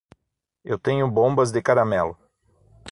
Eu tenho bombas de caramelo.